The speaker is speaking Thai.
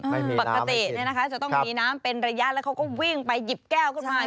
ปกติเนี่ยนะคะจะต้องมีน้ำเป็นระยะแล้วเขาก็วิ่งไปหยิบแก้วขึ้นมา